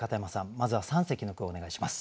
まずは三席の句をお願いします。